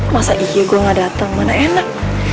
masa iya gua gak dateng mana enak